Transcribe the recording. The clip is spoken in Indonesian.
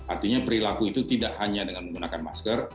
artinya perilaku itu tidak hanya dengan menggunakan masker